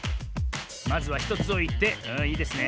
まずは１つおいていいですね。